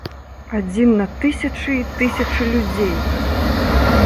Адзін на тысячы і тысячы людзей!